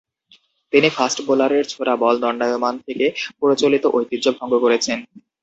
তিনি ফাস্ট-বোলারের ছোড়া বল দণ্ডায়মান থেকে প্রচলিত ঐতিহ্য ভঙ্গ করেছেন।